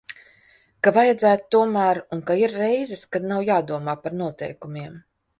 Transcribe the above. Ka vajadzētu tomēr un ka ir reizes, kad nav jādomā par noteikumiem.